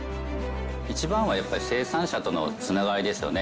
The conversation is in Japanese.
一番はやっぱり生産者とのつながりですよね。